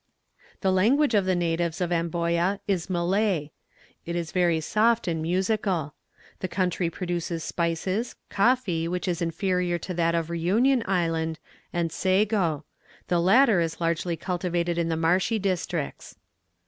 "The language of the natives of Amboyna is Malay. It is very soft and musical. The country produces spices, coffee, which is inferior to that of Reunion Island, and sago; the latter is largely cultivated in the marshy districts.